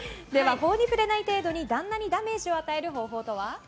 法に触れない程度に旦那にダメージを与える方法とは？